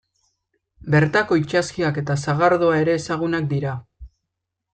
Bertako itsaskiak eta sagardoa ere ezagunak dira.